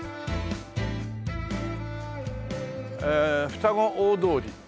二子大通り。